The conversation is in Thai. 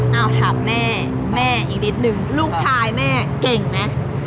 เอ้าถามแม่ลูกชายแม่เก่งไหม